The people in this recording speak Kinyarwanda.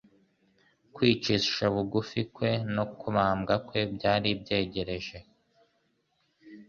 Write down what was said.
Kwicisha bugufi kwe no kubambwa kwe byari byegereje,